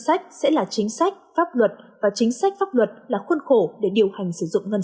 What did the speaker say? sách sẽ là chính sách pháp luật và chính sách pháp luật là khuôn khổ để điều hành sử dụng ngân